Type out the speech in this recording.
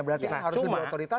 berarti harusnya di otoritatif